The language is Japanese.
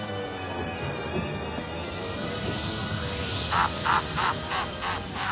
ハハハハ！